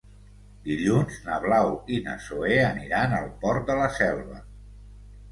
Dilluns na Blau i na Zoè aniran al Port de la Selva.